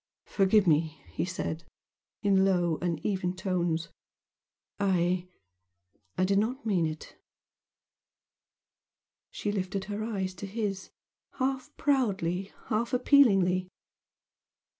"Forgive me!" he said, in low uneven tones "I I did not mean it!" She lifted her eyes to his, half proudly half appealingly.